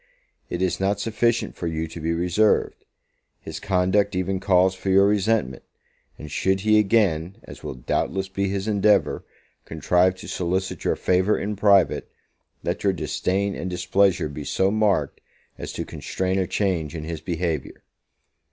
It is not sufficient for you to be reserved: his conduct even calls for your resentment; and should he again, as will doubtless be his endeavour, contrive to solicit your favour in private, let your disdain and displeasure be so marked, as to constrain a change in his behaviour.